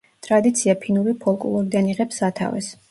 ტრადიცია ფინური ფოლკლორიდან იღებს სათავეს.